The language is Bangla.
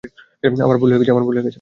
আমার ভুল হয়ে গেছে।